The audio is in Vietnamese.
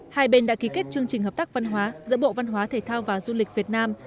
hai bên đã ký kết chương trình hợp tác văn hóa giữa bộ văn hóa thể thao và du lịch việt nam